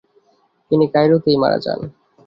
তিনি কায়রোতেই মারা যান।